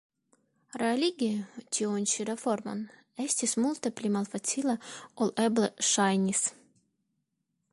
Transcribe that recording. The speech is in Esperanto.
Realigi tiun ĉi reformon estis multe pli malfacile ol eble ŝajnis.